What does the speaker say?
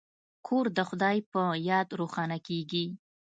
کور د خدای په یاد روښانه کیږي.